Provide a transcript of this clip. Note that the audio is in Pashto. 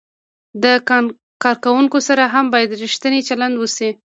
له کارکوونکو سره هم باید ریښتینی چلند وشي.